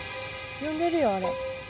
呼んでるよあれ。